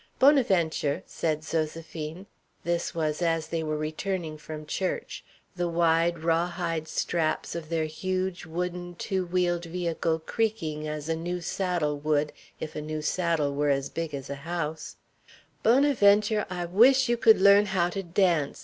"Bonaventure," said Zoséphine, this was as they were returning from church, the wide rawhide straps of their huge wooden two wheeled vehicle creaking as a new saddle would if a new saddle were as big as a house, "Bonaventure, I wish you could learn how to dance.